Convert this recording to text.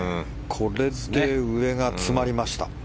これで上が詰まりました。